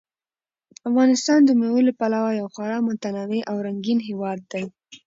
افغانستان د مېوو له پلوه یو خورا متنوع او رنګین هېواد دی.